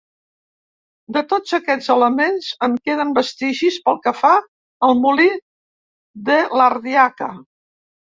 De tots aquests elements en queden vestigis pel que fa al molí de l'Ardiaca.